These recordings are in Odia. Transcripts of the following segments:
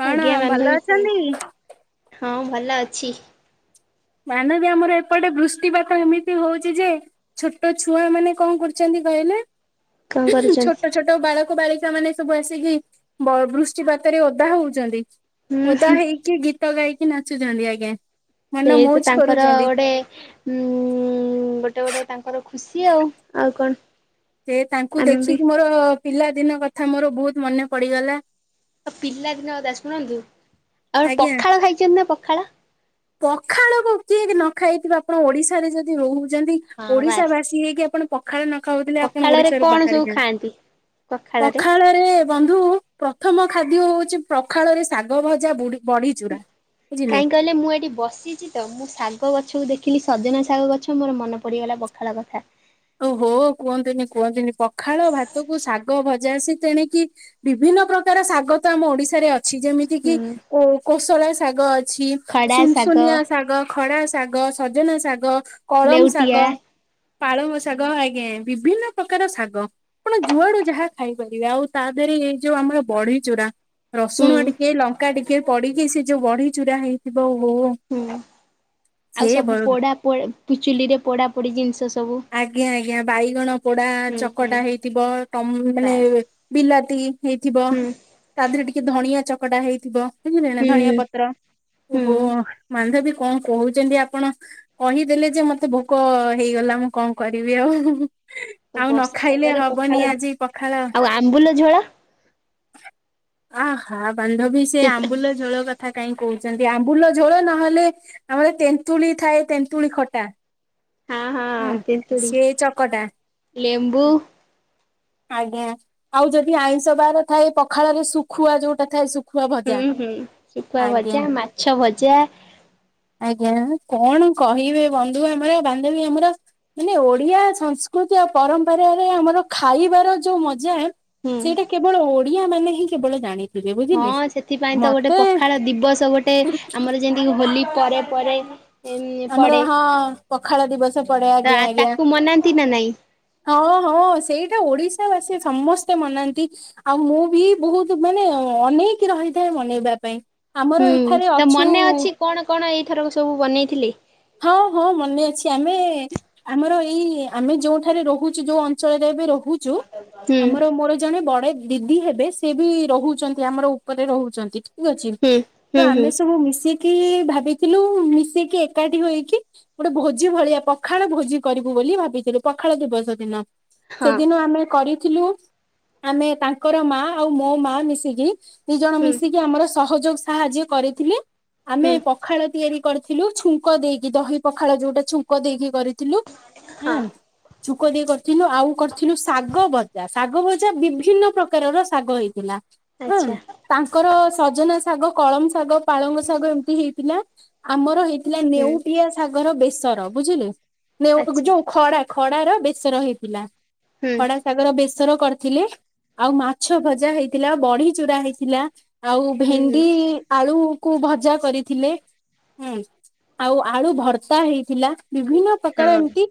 କଣ ଆଜ୍ଞା ଭଲ ବାନ୍ଧବୀ କୁହନ୍ତୁ। ଅଛନ୍ତି? ହଁ ଭଲ ଅଛି। ମାନବ ଆମର ଏପଟେ ବୃଷ୍ଟିପାତ ଏମିତି ହଉଛି ଯେ ଛୋଟ ଛୁଆ ମାନେ କଣ କରୁଛନ୍ତି କହିଲେ କଣ କରୁଛନ୍ତି? ଛୋଟ ଛୋଟ ବାଳକ ବାଳିକା ମାନେ ସବୁ ଆସିକି ବୃଷ୍ଟିପାତରେ ଓଦା ହଉଛନ୍ତି। ହୁଁ ଓଦା ହୁଁ ହେଇକି ଗୀତ ଗାଇକି ନାଚୁଛନ୍ତି ଆଜ୍ଞା ମନ ସେଇ ତ ମଉଜ ତାଙ୍କର କରୁଛନ୍ତି ଗୋଟେ ଉଁ ଗୋଟେ ଗୋଟେ ତାଙ୍କର ଖୁସି ଆଉ ଆଉ କଣ? ସେ ତାଙ୍କୁ ଆମେ ବି ଦେଖିକି ମୋର ପିଲା ଦିନ କଥା ମୋର ବହୁତ ମନେ ପଡିଗଲା ଆଉ ପିଲାଦିନ କଥା ଶୁଣନ୍ତୁ ଆଉ ପଖାଳ ଖାଇଛନ୍ତି ନା ପଖାଳ ପଖାଳ କିଏ ନ ଖାଇଥିବ ଆପଣ ଓଡିଶାରେ ଯଦି ରହୁ ଯେମତି ହଁ ଓଡିଶା ବାସ୍ ବାସୀ ହେଇକି ଆପଣ ପଖାଳ ନ ଖାଉଥିଲେ ଆପଣ ଓଡିଶାାରୁୁ ବାହାରି ଯାନ୍ତନ୍ତି। ପଖାଳ ପଖାଳରେ ବନ୍ଧୁ ପ୍ରଥମ ଖାଦ୍ୟ ହଉଛି ପଖାଳ ରେ ଶାଗ ଭଜା ବୁଡି ବଡି ଚୁରା ବୁଝିଲେ କାହିଁ କହିଲେ, ମୁଁ ଏଠି ବସିଛି। ତ ମୁଁ ଶାଗ ଗଛକୁ ଦେଖିଲି ସଜନା ଶାଗ ଗଛ ମୋର ମନେ ପଡିଗଲା ପଖାଳ କଥା ଓହୋ କୁହନ୍ତୁନି କୁହନ୍ତୁନି, ପଖାଳ ଭାତ କ ଶାଗ ଭଜା, ସେ ତେଣିକିି ବିଭିନ୍ନ ପ୍ରକାର ଶାଗ ତ ଆମ ଓଡିଶାରେ ଅ ଅଛି ଯେମିତି କିି ହୁଁ ଓ କୋଶଳ ଶାଗ ଅଛି, ଖଡା ଶାଗ ସୁନସୁନିଆ ଶାଗ ଖଡା ଶାଗ, ସଜନା ଶାଗ, କଳମ ଶାଗ, ଲେଉଟିଆ ପାଳମ ଶାଗ ଆଜ୍ଞା ବିଭିନ୍ନ ପ୍ରକାର ଶାଗ ଆପଣ ଯୁଆଡୁ ଯାହା ଖାଇପାରିବେ, ଆଉ ତା ଦେହରେ ଏଇ ଯୋଉ ଆମର ବଢି ଚୁରା ହୁଁ ରସୁଣ ଟିକେ ଲଙ୍କାଟିକେ ପଡିକି ସେ ଯୋଉ ବଢି ଚୁରା ହେଇଥିବ ଓ ହୋ। ହୁଁ। ଆଉ ସବୁ ପୋଡା ପୋ ଚୁଲି ରେ ପୋଡା ପୋଡି ଜିନିଷ ସବୁ ଆଜ୍ଞା ଆଜ୍ଞା, ବାଇଗଣ ପୋଡା ହୁଁ ହୁଁ ଚକଟା ହେଇଥିବ ମାନେ ବାସ୍। ବିଲାତି ହେଇଥିବ, ହୁଁ ତା ଦେହରେ ଟିକେ ଧଣିଆ ଚକଟା ହେଇଥିବ। ବଝିଲେନା ଧଣିଆ ହୁଁ ପତ୍ର ଓ ହୁଁ। ହୋ ମାନ୍ଧବୀ କଣ କହୁଛନ୍ତି ଆପଣ, କହିଦେଲେ ଯେ ମତେ ଭୋକ ହେଇଗଲା ମୁଁ କଣ କରିବି ଆଉ, ତ ଆଉ ନ ବର୍ଷା ଖାଇଲେ ପାଗରେ ହବନି ପଖାଳ ଆଜି ପଖାଳ ଆଉ ଆମ୍ବୁଲ ଝୋଳ। ଅହ ବାନ୍ଧବୀ ସେ ଆମ୍ବୁଲ ଝୋଳ କଥା କଥା କାହିଁ କହୁଛନ୍ତି? ଆମ୍ବୁଲ ଝୋଳ ନହେଲେ ଆମର ତେନ୍ତୁଳି ଥାଏ ତେନ୍ତୁଳି ଖଟା ହଁ ହୁଁ ହଁ ତେନ୍ତୁଳି। ସିଏ ଚକଟା। ଲେମ୍ବୁ। ଆଜ୍ଞା, ଆଉ ଯଦି ଆଇଁଷ ବାର ଥାଏ, ପଖାଳରେ ଶୁଖୁଆ ଯୋଉଟା ଥାଏ, ଶୁଖୁ ହୁଁ ହୁଁ ଶୁଖୁଆ ଭଜା, ମାଛ ଭଜା। ଆଜ୍ଞା, କଣ କହିବେ ବନ୍ଧୁ ଆମର ବାନ୍ଧବୀ ଆମର। ମାନେ ଓଡିଆ ସଂସ୍କୃତି ଆ ପରମ୍ପରରେ ଆମର ଖାଇବାର ଯୋଉ ମଜା, ହୁଁ। ସେଇଟା କେବଳ ଓଡିଆ ମାନେ ହିଁ କେବଳ ଜାଣେ। ହଁ ସେଥିପାଇଁ ତ ଗୋଟେ ପଖାଳ ଦିବସ ଗୋଟେ ଆମର ଯେମତିକି ହୋଲି ପରେ ପରେ ଏମ୍ ଆମର ପଡ଼େ ହଁ ପଖାଳ ଦିବସ ପଡେ ତ ଆଜ୍ଞା ଆଜ୍ଞା। ତାକୁ ମନାନ୍ତି ନା ନାଇଁ? ହଁ ହଁ ସେଇଟା ଓଡିଶା ବାସୀ ସମସ୍ତେ ମନାନ୍ତି। ଆଉ ମୁଁ ବି ବହୁତ ମାନେ ଅନେକ ରହିଥାଏ ମନେଇବା ପାଇଁ। ଆମର ହୁଁ ଏଠାରେ ତ ଅଛୁ ମନେ ଅଛି କଣ କଣ ଏଇଥରକ ସବୁ ବନେଇଥିଲି? ହଁ ହଁ ମନେ ଅଛି ଆମେ ଆମର ଏଇ ଆମେ ଯୋଉଠାରେ ରହୁଛୁ ଯୋଉ ଅଞ୍ଚଳରେ ଏବେ ରହୁ [unintelligible] ହୁଁ ଆମର ମୋର ଜଣେ ବଡେ ଦିଦି ହେବେ, ସେ ବି ରହୁଛନ୍ତି ଆମର ଉପରେ ରହୁଛନ୍ତି। ଠିକ ଅଛି, ହୁଁ ତ ହୁଁ ହୁଁ। ଆମେ ସବୁ ମିଶିକି ଭାବିଥିଲୁ ମିଶେଇକି ଏକାଠି ହେଇକି ଗୋଟେ ଭୋଜି ଭଳିଆ, ପଖାଳ ଭୋଜି କରିବୁ ବୋଲି ଭାବିଥିଲୁ, ପଖାଳ ଦିବସ ଦିନ। ହଁ ସେଦିନ ଆମେ କରି ଥିଲୁ, ଆମେ ତାଙ୍କର ମା ଆଉ ମୋ ମା ମିଶିକି ଦି ଜଣ ହୁଁ ମିଶି କି ଆମର ସହଯୋଗ ସାହାଯ୍ୟ କରିଥିଲି ଆମେ ହୁଁ ପଖାଳ ତିଆରି କରି ଥିଲୁ, ଛୁଙ୍କ ଦେଇକି ଦହି ପଖାଳ ଯୋଉଟା ଛୁଙ୍କ ଦେଇକି କରିଥିଲୁ, ହଁ ହୁଁ। ଛୁକ ଦେଇ କରିଥିଲୁ, ଆଉ କରିଥିଲୁ ଶାଗ ଭଜା ଶାଗ ଭଜା ବିଭିନ୍ନ ପ୍ରକାରର ଶାଗ ହେଇଥିଲା। ହୁଁ ଆଛା। ତାଙ୍କର ସଜନା ଶାଗ, କଳମ ଶାଗ, ପାଳଙ୍ଗ ଶାଗ, ଏମିତି ହେଇଥିଲା। ଆମର ହେଇଥିଲା ହୁଁ ନେଉଟିଆ ସାଗର ବେସର ବୁଝିଲେ, ନେଉ ଆଚ୍ଛା ଯୋଉ ଖଡା ଖଡାର ବେସର ହେଇଥିଲା ହୁଁ ଖଡ଼ା ଶାଗ ର ବେସର କରିଥିଲେ, ଆଉ ମାଛ ଭଜା ହେଇଥିଲା, ବଢି ଚୁରା ହେଇଥିଲା। ଆଉ ହୁଁ ଭେଣ୍ଡି ଆଳୁ କୁ ଭଜା କରିଥିଲେ। ହୁଁ ଆଉ ଆଳୁ ଭର୍ତ୍ତା ହେଇଥିଲା, ବିଭିନ୍ନ ପ୍ରକାର ହଁ ଏମିତି।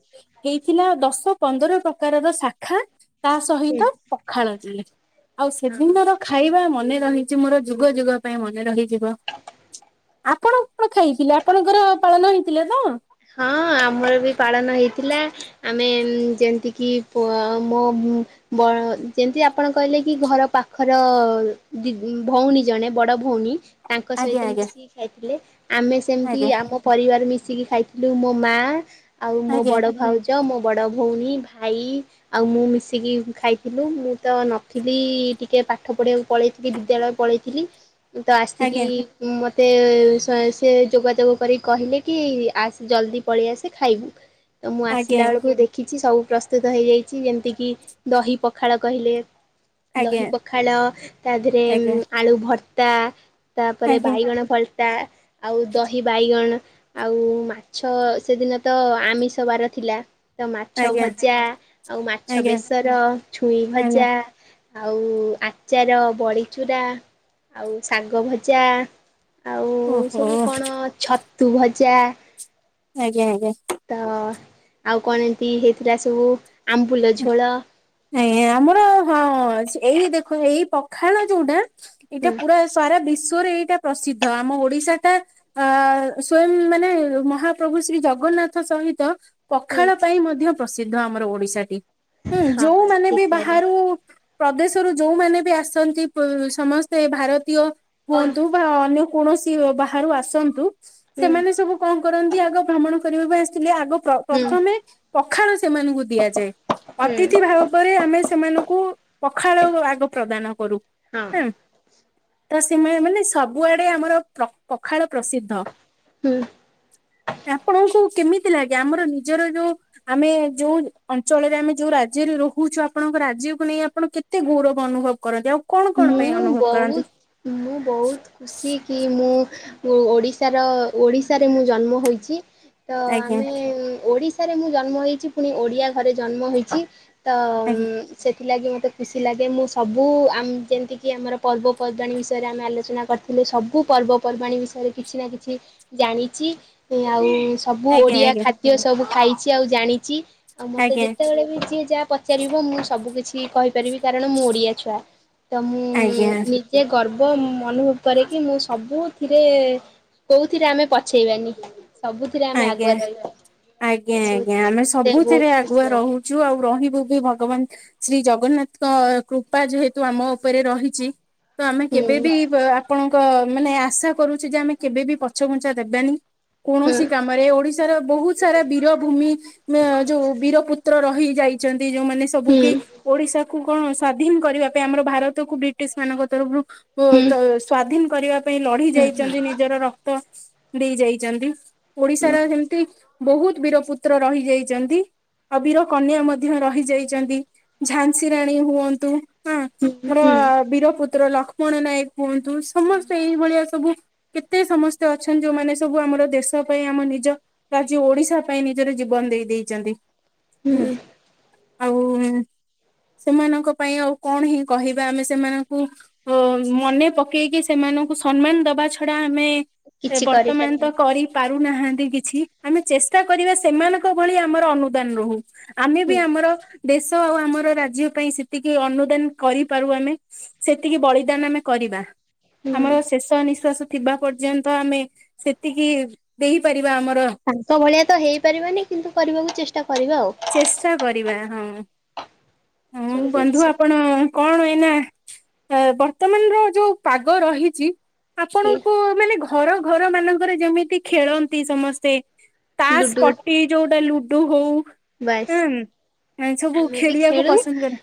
ହେଇଥିଲା ଦଶ ପନ୍ଦର ପ୍ରକାରର ଶାଖା। ତା ହୁଁ ସହିତ ପଖାଳ ଦେଲେ ଆଉ ହଁ। ସେଦିନର ଖାଇବା ମନେ ରହିଛି ମୋର, ଯୁଗ ଯୁଗ ପାଇଁ ମନେ ରହିଯିବ, ଆପଣ କଁ ଖାଇଥିଲେ ଆପଣଙ୍କର ପାଳନ ହେଇଥିଲା ତ? ହଁ ଆମର ବି ପାଳନ ହେଇଥିଲା। ଆମେ ଉଁ ଯେମତିକି ପୋ ଆ ମମ୍ ବ ଆ ଉଁ ଯେମତି ଆପଣ କହିଲେ କି ଘର ପାଖର ଦି ଉଁ ଭଉଣୀ ଜଣେ ବଡ ଭଉନୀ ତାଙ୍କ ଆଜ୍ଞା ସହିତ ଆଜ୍ଞା ମିଶିକି ଖାଇଥିଲେ ଆମେ ସେମତି ଆମ ପରିବାର ମିଶିକି ଖାଇଥି ଲୁ ମୋ ମା ଆଉ ମୋ ଆଜ୍ଞା ବଡ ଭାଉଜ ମୋ ବଡ ଭଉଣୀ ଭାଇ ଆଉ ମୁଁ ମିଶିକି ଖାଇଥିଲୁ ମୁଁ ତ ନଥିଲି ଟିକେ ପାଠ ପଢିଆକୁ ପଳେଇଥିଲି ବିଦ୍ୟାଳୟ ପଳେଇ ଥିଲି। ମୁଁ ତ ଆସିକି ଆଜ୍ଞା ଉଁ ମତେ ସ ସେ ଯୋଗାଯୋଗ କରିକି କହିଲେ କି ଆସ୍। ଜଲଦି ପଳି ଆସେ ଖାଇବୁ ତ ମୁଁ ଆଜ୍ଞା ଆସିଲା ବେଳୁକୁ ଦେ ଖିଚି ସବୁ ପ୍ରସ୍ତୁତ ହେଇଯାଇଚି ଯେମତିକି ଦହି ପଖାଳ କହିଲେ। ଦହି ଆଜ୍ଞା ପଖାଳ ତାଧେରେ ଆଜ୍ଞା ଉଁ ଆଜ୍ଞା ଆଳୁ ଭର୍ତ୍ତା ତାପରେ ଆଜ୍ଞା ବାଇଗଣ ଭର୍ ତା ଆଉ ଦହି ବାଇଗଣ ଆଉ ମା ଛ ସେଦିନ ତ ଆମିଷବାର ଥିଲା। ତ ମାଛ ଆଜ୍ଞା ଆଜ୍ଞା ଭଜା ଆଉ ମାଛ ଆଜ୍ଞା ବେସର ଛୁଇଁ ଆଜ୍ଞା ଭଜା। ଆଉ ଆଚାର ବଡିଚୁରା ଆଉ ଶାଗ ଭଜା। ଆଉ ଓହୋ ସବୁ କଣ ଛତୁ ଭଜା। ଆଜ୍ଞା ଆଜ୍ଞା। ତ ଆଉ କଁ ଇନ୍ତି ହେଇଥିଲା ସବୁ ଆମ୍ବୁଲ ଝୋଳ। ନାଇଁ ନାଇଁ ଆମର ହଁ ସ ଏଇ ଦେଖ ଏଇ ପଖାଳ ଯୋଉଟା ଏଇଟା ହୁଁ ପୁରା ସାରା ବିଶ୍ଵରେ ଏଇଟା ପ୍ରସିଦ୍ଧ ଆମ ଓଡିଶାଟା ଅ ସ୍ଵୟଂ ମାନେ ମହାପ୍ରଭୁ ଶ୍ରୀ ଜଗନ୍ନାଥ ସହିତ ହୁଁ ପଖାଳ ପାଇଁ ମଧ୍ୟ ପ୍ରସିଦ୍ଧ ଆମର ଓଡିଶାଟି ହୁଁ ହଁ ଯୋଉମାନେ ଠିକ ବି କହିଲେ ବାହାରୁ ପ୍ରଦେଶରୁ ଯୋଉମାନେ ବି ଆସନ୍ତି ପ୍ର ସମସ୍ତେ ଭାରତୀୟ ହୁଅନ୍ତୁ ବା ଅନ୍ୟ କୋଣସି ବାହାରୁ ଆସନ୍ତୁ ହୁଁ ସେମାନେ ସବୁ କଁ କରନ୍ତି ଆଗ ଭ୍ରମଣ କରିବାକୁ ଆସିଥିଲେ ଆଗ ପ୍ର ହୁଁ ପ୍ରଥମେ ପଖାଳ ସେମାନୁଙ୍କୁ ଦିଆଯାଏ। ହୁଁ ଅତିଥି ଭାବରେ ଆମେ ସେମାନଙ୍କୁ ପଖାଳ ବ ଆଗ ପ୍ରଦାନ କରୁ। ହଁ। ତ ସେମାନେ ମାନେ ସବୁଆଡେ ଆମର ପ୍ର ପଖାଳ ପ୍ରସିଦ୍ଧ। ହୁଁ। ଆପଣଙ୍କୁ କେମିତି ଲାଗେ ଆମର ନିଜର ଯୋଉ ଆମେ ଯୋଉ ଅଞ୍ଚଳରେ ଆମେ ଯୋଉ ରା ଜ୍ୟେରେ ରହୁଛୁ ଆପଣଙ୍କ ରାଜ୍ୟକୁ ନେଇ ଆପଣ କେତେ ଗୌରବ ଅନୁଭବ କରନ୍ତି ଆଉ କଣ କଣ ପାଇଁ ମୁଁ ଅନୁଭବ କରନ୍ତି ବହୁତ ମୁଁ ବହୁତ ଖୁସି କି ମୁଁ ଉ ଓଡିଶାର ଓଡିଶାରେ ମୁଁ ଜନ୍ମ ହୋଇଛି। ତ ଆଜ୍ଞା ଆମେ ଉଁ ଓଡିଶାରେ ମୁଁ ଜନ୍ମ ହେଇଚି ପୁଣି ଓଡିଆ ଘରେ ଜନ୍ମ ହେଇଚି। ତ ଉଁ ଆଜ୍ଞା ସେଥିଲାଗି ମତେ ଖୁସି ଲାଗେ ମୁଁ ସବୁ ଆମ୍ ଯେମତିକି ଆମର ପର୍ବପର୍ବାଣୀ ବିଷୟରେ ଆମେ ଆଲୋଚନା କରିଥିଲୁ ସବୁ ପର୍ବପର୍ବାଣୀ ବିଷୟରେ କିଛି ନା କିଛି ଜାଣିଚି ଉଁ ଆଉ ସବୁ ଆଜ୍ଞା ଓଡିଆ ଖାଦ୍ୟ ସବୁ ଖାଇଚି ଆଉ ଜାଣିଚି ଆଉ ମତେ ଆଜ୍ଞା ଆଜ୍ଞା ଯେତେବେଳେ ବି ଯିଏ ଯା ପ ଚାରିବ ମୁଁ ସବୁକିଛି କହିପାରିବି କାରଣ ମୁଁ ଓଡିଆ ଛୁଆ ତ ମୁଁ ଆଜ୍ଞା ନି ଜେ ଗର୍ବ ଉଁ ଅନୁଭବ କରେ କି ମୁଁ ସବୁଥିରେ କୋଉଥିରେ ଆମେ ପଛେଇବାନି। ସବୁଥିରେ ଆମେ ଆଜ୍ଞା ଆଗୁଆ ରଇବା ଆଜ୍ଞା ଏସବୁ ଜିନିଷ ମତେ ବୋହୁତ ଖୁସି ଲାଗେ। ଯୁ ଆଉ ରହିବୁ ବି ଭଗବାନ୍ ଶ୍ରୀ ଜଗନ୍ନାଥଙ୍କ କୃପା ଯେହେତୁ ଆମ ଉପେରେ ରହିଚି ତ ଆମେ ହୁଁ କେବେ ବି ବ ଆପଣ କ ମାନେ ଆଶା କରୁଛୁ ଯେ ଆମେ କେବେ ବି ପଛଘୁଞ୍ଚା ଦେବାନି କୋଣସି ହୁଁ ଆମର ଏ ଓଡିଶାର ବୋହୁତ ସାରା ବୀରଭୂମି ବା ଯୋଉ ବୀରପୁତ୍ର ରହି ଯାଇଛନ୍ତି ଯେଉଁମାନେ ତବୁକି ଓଡିଶାକୁ କଁ ସ୍ଵାଧୀନ୍ କରିବା ପାଇଁ ଆମର ଭାରତକୁ ବ୍ରିଟିଶମାନଙ୍କ ତରଫରୁ ହୁଁ ସ୍ଵାଧୀନ କରିବା ପାଇଁ ଲଢି ଯାଇଛନ୍ତି ନିଜର ର ତ ଦେଇ ଯାଇଛନ୍ତି ଓଡିଶାର ଯେମିତି ବହୁତ ବୀରପୁତ୍ର ରହିଯାଇଛନ୍ତି। ଅବିର କନ୍ୟା ମଧ୍ୟ ରହିଯାଇଛନ୍ତି ଝାନ୍ସୀ ରାଣୀ ହୁଅନ୍ତୁ। ହଁ ହୁଁ ମୋର ହୁଁ ବୀରପୁତ୍ର ଲକ୍ଷ୍ମଣ ନାୟକ ହୁଅନ୍ତୁ। ହୁଁ। ସମସ୍ତେ ଏଇଭଳିଆ ସବୁ କେତେ ସମସ୍ତେ ଅଛନ୍ତି ଯୋଉମାନେ ସବୁ ଆମର ଦେଶ ପାଇଁ ଆମ ନିଜ ରାଜ୍ୟ ଓଡିଶା ପାଇଁ ନିଜର ଜୀବନ ଦେଇ ଦେଇେଇଛନ୍ତି ହୁଁ। ଆଉ ସେମାନଙ୍କ ପାଇଁ ଆଉ କଣ ହିଁ କହିବା ଆମେ ସେମାନଙ୍କୁ ଅ ମନେ ପକେଇକି ସେମାନଙ୍କୁ ସମ୍ମାନ ଦବା ଛଡା ଆମେ କିଛି ବର୍ତ୍ତମାନ କରିପାରିବାନି ତ କରି ପାରୁନାହାନ୍ତି କିଛି ଆମେ ଚେଷ୍ଟା କରିବା ସେମାନଙ୍କ ଭଳି ଆମର ଅନୁଦାନ ରହୁ। ଆମେ ବି ହୁଁ ଆମର ଦେଶ ଆଉ ଆମର ରାଜ୍ୟ ପାଇଁ ସେତିକି ଅନୁଦାନ କରିପାରୁ ଆମେ। ସେତିକି ବଳିଦାନ ଆମେ କରିବା। ହୁଁ। ଆମର ଶେଷ ନିଶ୍ଵାସ ଥିବା ପର୍ଯ୍ୟନ୍ତ ଆମେ ସେତିକି ଦେଇପାରିବା ଆମର ତାଙ୍କ ଭଳିଆ ତ ହେଇପାରିବାନି କିନ୍ତୁ କରିବାକୁ ଚେଷ୍ଟା କରିବା ଆଉ। ଚେଷ୍ଟା କରିବା। ହଁହଁ ସବୁ ବନ୍ଧୁ ଜିନିଷ ଆପଣ କଣ ଏଇନା ବର୍ତ୍ତମାନର ଯୋଉ ପାଗ ରହିଛି। ଆପଣଙ୍କୁ ମାନେ ଘର ଘର ମାନଙ୍କରେ ଯେମିତି ଖେଳନ୍ତି ସମସ୍ତେ। ତାସ ଲୁଡୁ ସ୍ପଟି ଯୋଉଟା ଲୁଡୁ ହଉ। ବାସ୍ ହୁଁ ସବୁ ଆମେ ବି ଖେଳିବାକୁ ଖେଳୁ। ପସନ୍ଦ କରେ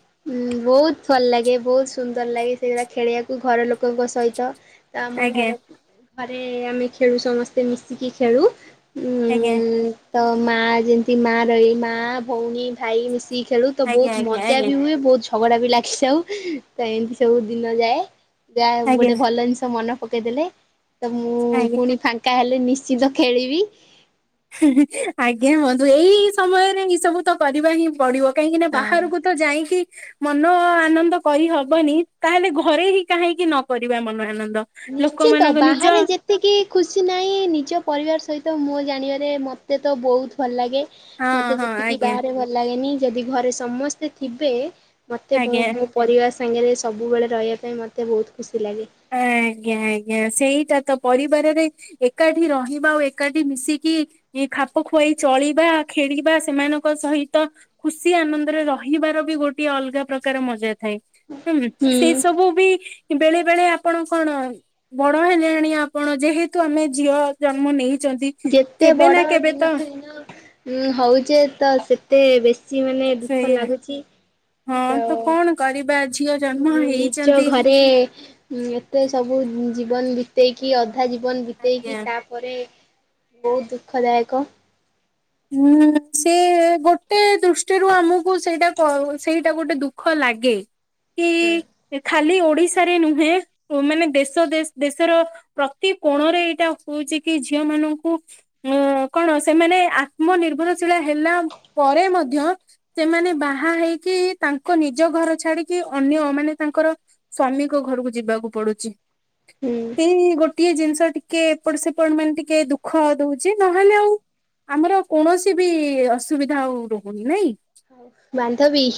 ବହୁତ ଭଲ ଲାଗେ ବହୁତ ସୁନ୍ଦର ଲାଗେ। ସେଗୁଡ଼ା ଖେଳିବାକୁ ଘର ଲୋକଙ୍କ ସହିତ। ତ ଆମ ଆଜ୍ଞା ଘରକୁ ଘରେ ଆମେ ଖେଳୁ ସମସ୍ତେ ମିଶିକି ଖେଳୁ। ଆଜ୍ଞା ଉଁ ତ ମା ଯେମିତି ମା ରହିଲେ ମା ଭଉଣୀ ଭାଇ ମିଶିକି ଖେଳୁ। ତ ବହୁତ ଆଜ୍ଞା ମଜା ଆଜ୍ଞା ବି ହୁଏ ବହୁତ ଝଗଡା ବି ଲାଗେ ସବ ତ ଏମିତି ସବୁ ଦିନ ଯାଏ। ଗା ଆଜ୍ଞା ଆଜ୍ଞା ଗୋଟେ ଭଲ ଜିନିଷ ମନେ ପକେଇ ଦେଲେ। ତ ମୁଁ ଆଜ୍ଞା ପୁଣି ଫାଙ୍କା ହେଲେ ନିଶ୍ଚିନ୍ତ ଖେଳିବି। ଆଜ୍ଞା ହୁଅନ୍ତୁ ବନ୍ଧୁ ଏଇ ସମୟରେ ଏଇ ସବୁ ତ କରିବା ହିଁ ପଡିବ କାହିଁକି ନା ହଁ। ବାହାରକୁ ତ ଯାଇକି ମନ ଆନନ୍ଦ କରିହବନି ତାହେଲେ ଘରେ ହିଁ କାହିଁକି ନକ ମନ ଆନନ୍ଦ। ଲୋକ ମାନଙ୍କ ନିଜ ଏତିକି ଖୁସି ନାହିଁ ନିଜ ପରିବାର ସହିତ ମୋ ଜାଣିବାରେ ମୋତେ ତ ବହୁତ ଭଲ ଲାଗେ। ହଁ ମତେ ହଁ ଯେତିକି ଆଜ୍ଞା ବାହାରେ ଭଲ ଲାଗେନି ଯଦି ଘରେ ସମସ୍ତେ ଥିବେ ମୋତେ ଆଜ୍ଞା ପରିବାର ସାଙ୍ଗରେ ସବୁବେଳେ ରହିବା ପାଇଁ ମୋତେ ବହୁତ ଖୁସି ଲାଗେ। ଆ ଆଜ୍ଞା ଆଜ୍ଞା ସେଇଟା ତ ପରିବାରରେ ଏକାଠି ରହିବା ଆଉ ଏକାଠି ମିଶିକି ଏଇ ଖାପ ଖୁଆଇ ଚଳିବା ଖେଳିବା ସେମାନଙ୍କ ସହିତ ଖୁସି ଆନନ୍ଦରେ ରହିବାର ବି ଗୋଟେ ଅଲଗା ପ୍ରକାର ମଜା ଥାଏ। ହୁଁ ସେଇ ସବୁ ବି ବେଳେ ବେଳେ ଆପଣ କଣ ବଡ ହେଲେଣି ଆପଣ ଯେହେତୁ ଆମେ ଝିଅ ଜନ୍ମ ନେଇଛନ୍ତି। ଯେତେ କେବେ ବଡ ନା କେବେ ତ ଦିନକୁ ଦିନ ହଉଛେ ତ ସେତେ ବେଶୀ ବେଶ ମାନେ ଦୁଃଖ ସେଇଆ ଲାଗୁଛି। ହଁ ତ କଣ କରିବା ଝିଅ ଜନ୍ମ ମେ ନିଜ ହେଇଛନ୍ତି ଘରେ ଏତେ ସବୁ ଜୀବନ ବିତେଇକି ଅଧା ଜୀବନ ଆଜ୍ଞା। ବିତେଇକି ତା ପରେ ବହୁତ ଦୁଃଖଦାୟକ। ହୁଁ ସେ ଗୋଟେ ଦୃଷ୍ଟିରୁ ଆମକୁ ସେଇଟା ସେଇଟା ଗୋଟେ ଦୁଃଖ ଲାଗେ। କି ଖାଲି ଓଡିଶାରେ ନୁହେଁ ମାନେ ଦେଶ ଦେ ଦେଶର ପ୍ରତି କୋଣରେ ଏଇଟା ହଉଛି କି ଝିଅ ମାନଙ୍କୁ ଅ କଣ ସେମାନେ ମୋ ନିର୍ଭରଶୀଳ ହେଲା ପରେ ମଧ୍ୟ ସେମାନେ ବାହା ହେଇକି ତାଙ୍କ ନିଜ ଘର ଛାଡିକି ଅନ୍ୟ ମାନେ ତାଙ୍କର ସ୍ଵାମୀଙ୍କ ଘରକୁ ଯିବାକୁ ପଡୁଚି ହୁଁ ସେଇ ଗୋଟିଏ ଜିନିଷ ଟିକେ କିଏ ଏପଟ ସେପଟ ମାନେ ଟିକେ ଦୁଃଖ ଦଉଚି ନହେଲେ ଆଉ ଆମର କୌଣସି ବି ଅସୁବିଧା ଆଉ ରହୁନି ନାଇଁ। ବାନ୍ଧବୀ।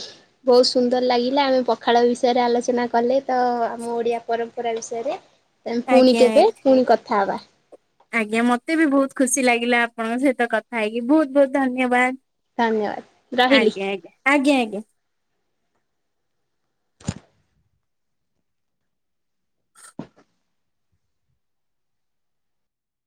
ବହୁତ ସୁନ୍ଦର ଲାଗିଲା ଆମେ ପଖାଳ ବିଷୟରେ ଆଲୋଚନା କଲେ ତ ଆମ ଓଡିଆ ପରମ୍ପରା ବିଷୟରେ। ତେଣୁ ପୁଣି ଆଜ୍ଞା କେବେ ଆଜ୍ଞା। ପୁଣି କଥା ହବା। ଆଜ୍ଞା ମତେ ବି ବହୁତ ଖୁସି ଲାଗିଲା ଆପଣଙ୍କ ସହିତ କଥା ହେଇକି ବହୁତ ବହୁତ ଧନ୍ୟବାଦ। ଧନ୍ୟବାଦ ରହିଲି। ଆଜ୍ଞା ଆଜ୍ଞା ଆଜ୍ଞା ଆଜ୍ଞା।